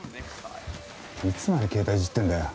いつまで携帯いじってんだよ。